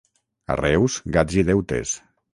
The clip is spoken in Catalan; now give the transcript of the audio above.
A Reus, gats i deutes.